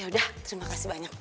terima kasih banyak